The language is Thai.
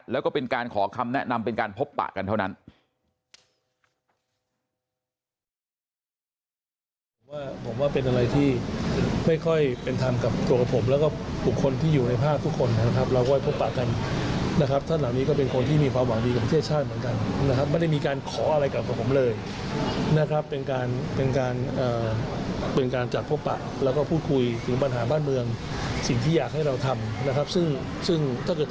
แล้วก็เป็นการขอคำแนะนำเป็นการพบปะกันเท่านั้น